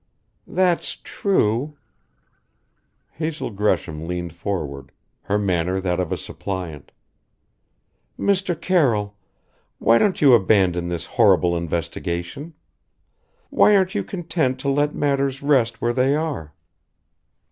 "That's true " Hazel Gresham leaned forward: her manner that of a suppliant. "Mr. Carroll why don't you abandon this horrible investigation? Why aren't you content to let matters rest where they are?"